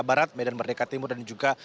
barat medan merdeka timur dan juga